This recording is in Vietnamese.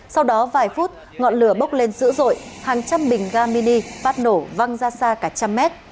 sau đó vài phút ngọn lửa bốc lên dữ dội hàng trăm bình ga mini phát nổ văng ra xa cả trăm mét